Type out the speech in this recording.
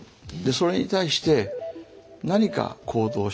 それに対して何か行動して助けようとする。